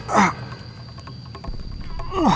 harus pulang ke rumah al